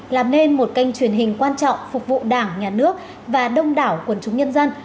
làm nên một kênh truyền hình quan trọng phục vụ đảng nhà nước và đông đảo quần chúng nhân dân